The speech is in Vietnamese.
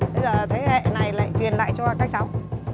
bây giờ thế hệ này lại truyền lại cho các cháu